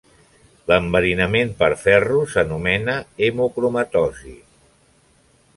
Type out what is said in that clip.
L'enverinament per ferro s'anomena hemocromatosi.